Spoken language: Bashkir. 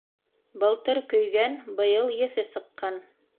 Былтыр көйгән, быйыл еҫе сыҡҡан.